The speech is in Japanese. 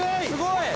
すごい！